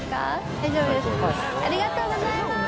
最高ですありがとうございます